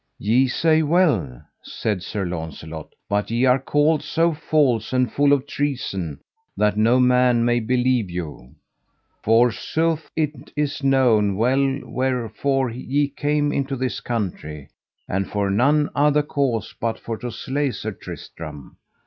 Ye say well, said Sir Launcelot, but ye are called so false and full of treason that no man may believe you. Forsooth it is known well wherefore ye came into this country, and for none other cause but for to slay Sir Tristram.